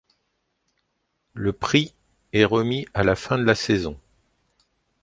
Le prix est remis à la fin de la saison.